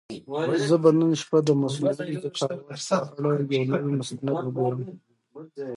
زه به نن شپه د مصنوعي ذکاوت په اړه یو نوی مستند وګورم.